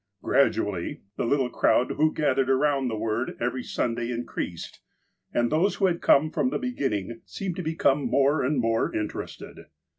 Gradually, the little crowd who gathered around the Word every Sunday increased, and those who had come from the beginning seemed to become more and more interested.